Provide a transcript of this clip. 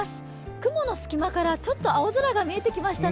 雲の隙間からちょっと青空が見えてきましたね。